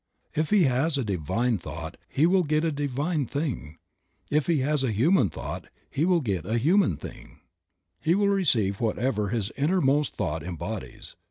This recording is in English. If he has a divine thought he will get a divine thing, if he has a human thought he will get a human thing ; he will receive whatever his innermost thought embodies.